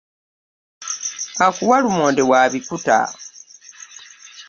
Akuwa lumonde wa bikuta .